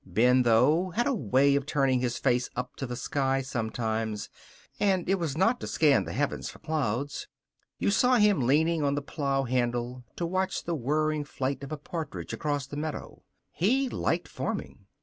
Ben, though, had a way of turning his face up to the sky sometimes, and it was not to scan the heavens for clouds. You saw him leaning on the plow handle to watch the whirring flight of a partridge across the meadow. He liked farming.